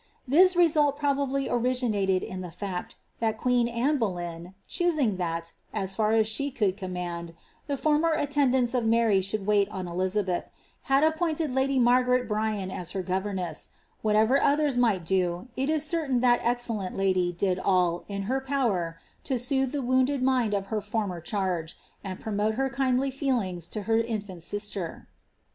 Thu result probably originaled in thi fiiet, that queen Anne Boleyn, choosing that^ «s fiur aa ahe could coa* mand — the former attendants of Mary should wait on Elizabeth, had appointed lady Margaret Bryan as her governess ; whatever others miglit do, it is certain that excellent lady did all, in her power, to soothe the wounded mind of her former charge, and promote her kindly feelingi to her infant sister.